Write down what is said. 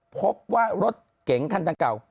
พบว่ารถเก๋งคันดังเก่า